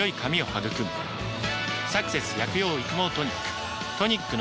「サクセス薬用育毛トニック」